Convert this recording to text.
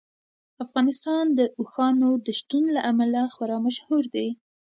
افغانستان د اوښانو د شتون له امله خورا مشهور دی.